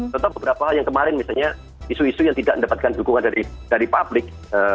contoh beberapa hal yang kemarin misalnya isu isu yang tidak mendapatkan dukungan dari publik